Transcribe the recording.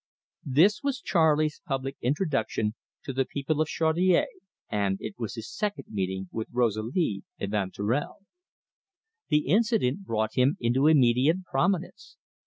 This was Charley's public introduction to the people of Chaudiere, and it was his second meeting with Rosalie Evanturel. The incident brought him into immediate prominence.